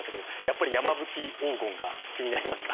やっぱり山吹黄金が気になりますか？